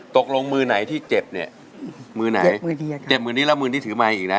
ตกลงมือไหนที่เจ็บนี่มือไหนเจ็บมือนี้แล้วมือนี้ถือไม้อีกนะ